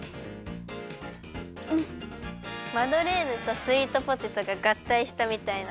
マドレーヌとスイートポテトががったいしたみたいな。